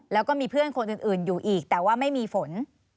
แล้วก็มีเพื่อนคนอื่นอยู่อีกแต่ว่าไม่มีฝน